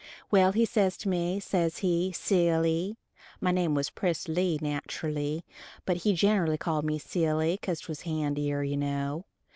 Well, he says to me, says he, "Silly" (my name was Prissilly naterally, but he ginerally called me "Silly," cause 'twas handier, you know).